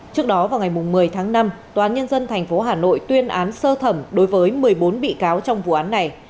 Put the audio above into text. trước đó vào ngày một mươi tháng năm tòa án nhân dân tp hà nội tuyên án sơ thẩm đối với một mươi bốn bị cáo trong vụ án này